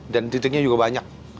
dan titiknya juga banyak